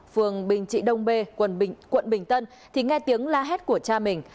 phường bình trị đông bê quận bình tân thì nghe tiếng la hét của cha mình